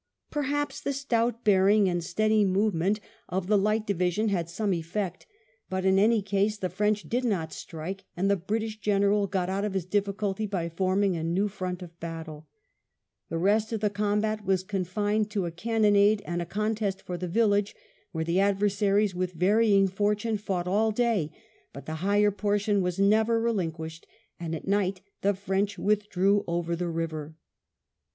Perhaps the stout bearing and steady movement of the VII BRENIEI^S EXPLOIT 151 Light Division had some effect; but, in any case, the French did not strike, and the British General got out of his difficulty by forming a new front of battle. The rest of the combat was confined to a cannonade and a contest for the village, where the adversaries with varying fortune fought all day ; but the higher portion was never relinquished, and at night the French withdrew over the river.